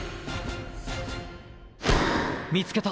見つけた！